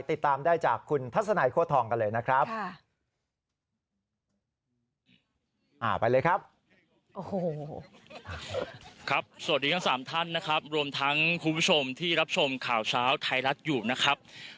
ติดตามได้จากคุณทัศนัยโค้ทองกันเลยนะครับ